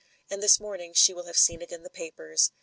And this morning she will have seen it in the papers.